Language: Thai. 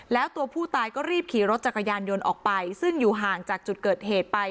แล้วตัวผู้ตายก็รีบขี่รถจักรยานยนต์ออกไปซึ่งอยู่ห่างจากจุดเกิดเหตุไป